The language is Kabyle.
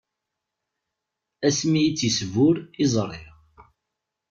Ass mi i tt-isbur, i ẓriɣ.